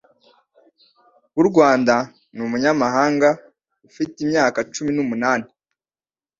bw'u Rwanda ni umunyamahanga ufite imyaka cumi n'umunani